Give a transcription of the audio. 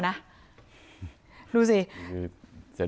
จริงเค้าเบิ้ลเครื่องก็ไม่ใช่ว่าจะต้องไปซ้อมเค้านะ